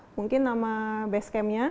mungkin nama basecam nya